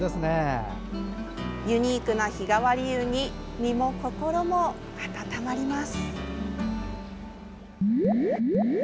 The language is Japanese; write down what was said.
ユニークな日替わり湯に身も心も温まります。